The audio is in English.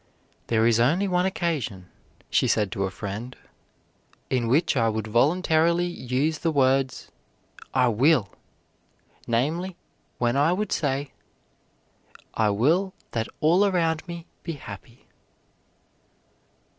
"There is only one occasion," she said to a friend, "in which I would voluntarily use the words, 'I will!' namely, when I would say, 'I will that all around me be happy.'"